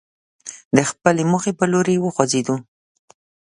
د خپلې موخې پر لوري وخوځېدو.